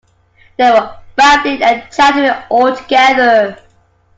They were babbling and chattering all together.